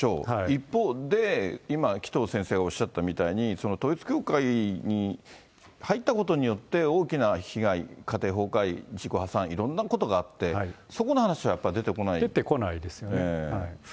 一方で、今、紀藤先生おっしゃったみたいに、統一教会に入ったことによって、大きな被害、家庭崩壊、自己破産、いろんなことがあって、出てこないですよね。